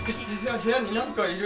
部屋になんかいる！